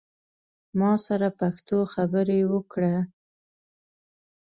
ما سره پښتو خبری اوکړه